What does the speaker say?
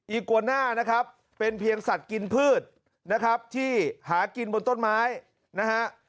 โกน่านะครับเป็นเพียงสัตว์กินพืชนะครับที่หากินบนต้นไม้นะฮะ